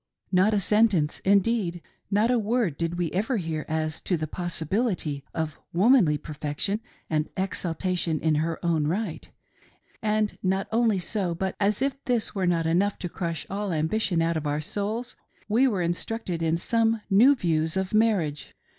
Not a sentence ; indeed, not a word did we ever hear as to the possibility of womanly perfection and exaltation in her own right ; and not only so, but, as if this were not enough to .crush all ambition out of our souls, we were instructed in some new views of marriage.